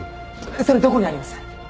それどこにあります？